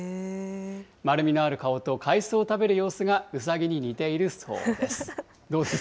丸みのある顔と海藻を食べる様子がうさぎに似ているそうです。